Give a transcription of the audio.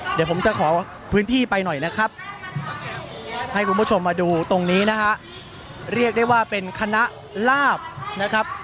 เดี๋ยวผมจะขอพื้นที่ไปหน่อยนะครับให้คุณผู้ชมมาดูตรงนี้นะฮะเรียกได้ว่าเป็นคณะลาบนะครับ